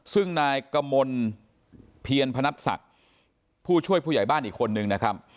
ซึ่งนายกมลเพียรพนัทศักดิ์ผู้ช่วยผู้ใหญ่บ้านอีกคนนึงนะครับ